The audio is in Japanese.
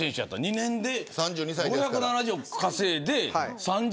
２年で５７０億稼いで。